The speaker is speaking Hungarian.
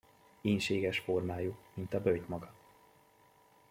Ínséges formájú, mint a böjt maga.